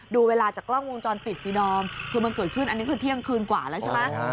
ดูเวลาจากกล้องวงจรปิดสิดอมคือมันเกิดขึ้นอันนี้คือเที่ยงคืนกว่าแล้วใช่ไหม